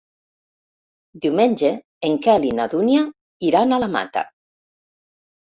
Diumenge en Quel i na Dúnia iran a la Mata.